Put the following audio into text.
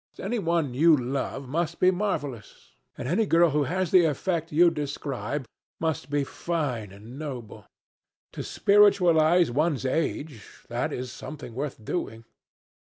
Any one you love must be marvellous, and any girl who has the effect you describe must be fine and noble. To spiritualize one's age—that is something worth doing.